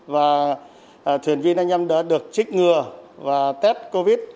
và thuyền viên anh em đã được trích ngừa và test covid